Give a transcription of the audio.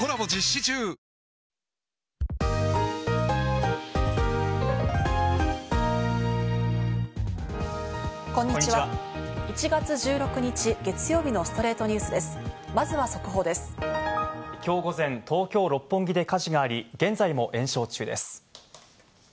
今日午前、東京・六本木で火事があり、現在も延焼中です。